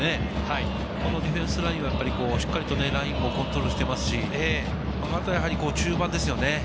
このディフェンスラインはしっかりとラインもコントロールしていますし、あとは中盤ですよね。